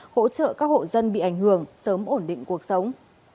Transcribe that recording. hỗ trợ các hộ dân bị ảnh hưởng sớm ổn định cuộc sống